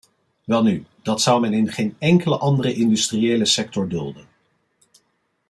Welnu, dat zou men in geen enkele andere industriële sector dulden.